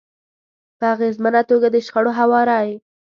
-په اغیزمنه توګه د شخړو هواری